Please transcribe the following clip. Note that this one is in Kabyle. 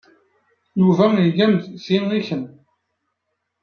Yuba iga-am-d ti i kemm.